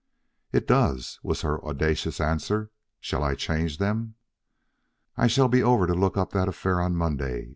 "It does," was her audacious answer. "Shall I change them?" "I shall be over to look that affair up on Monday."